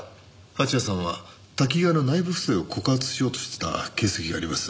蜂矢さんはタキガワの内部不正を告発しようとしていた形跡があります。